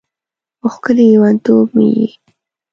ښکلی لیونتوب مې یې